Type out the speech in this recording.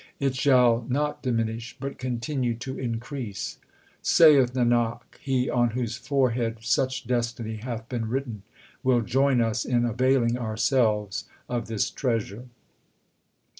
It shall not diminish, but continue to increase. Saith Nanak, he on whose forehead such destiny hath been written, Will join us in availing ourselves of this treasure.